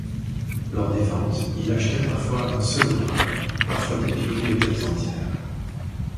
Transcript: Lors des ventes, il achetait parfois un seul ouvrage, parfois des bibliothèques entières.